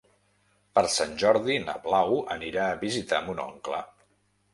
Per Sant Jordi na Blau anirà a visitar mon oncle.